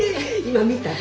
今見た？